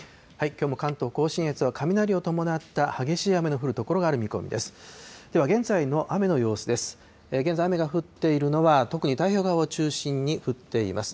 きょうも関東甲信越は雷を伴った激しい雨の降る所がある見込みです。